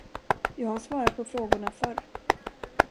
Jag har svarat på frågorna förr.